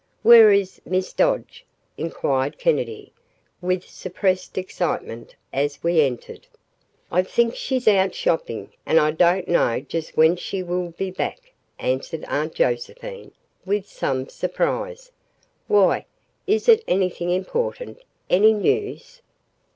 "Where is Miss Dodge?" inquired Kennedy, with suppressed excitement as we entered. "I think she's out shopping and I don't know just when she will be back," answered Aunt Josephine, with some surprise. "Why? Is it anything important any news?"